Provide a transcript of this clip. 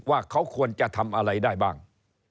ว่าเขาควรจะทำอะไรได้บ้าง